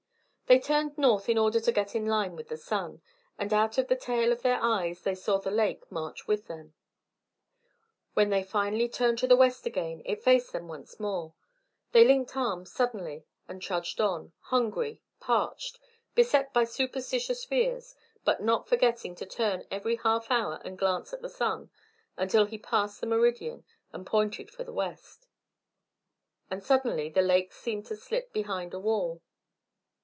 They turned north in order to get in line with the sun; and out of the tail of their eyes they saw the lake march with them. When they finally turned to the west again it faced them once more. They linked arms suddenly and trudged on, hungry, parched, beset by superstitious fears, but not forgetting to turn every half hour and glance at the sun until he passed the meridian and pointed for the west. And suddenly the lake seemed to slip behind a wall.